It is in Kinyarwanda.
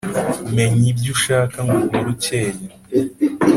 menye ibyo ushaka ngo uhore ukeye